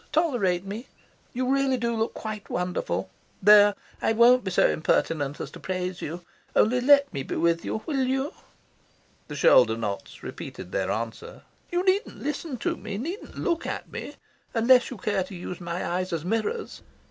Tolerate me. You really do look quite wonderful. There, I won't be so impertinent as to praise you. Only let me be with you. Will you?" The shoulder knots repeated their answer. "You needn't listen to me; needn't look at me unless you care to use my eyes as mirrors.